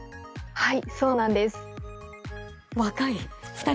はい。